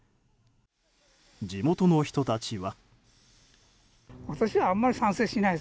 地元の人たちは。